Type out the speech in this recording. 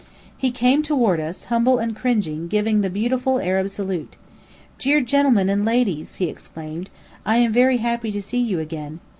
He came toward us, humble and cringing, giving the beautiful Arab salute. "Dear gen'lemen and ladies!" he exclaimed. "I am very happy to see you again.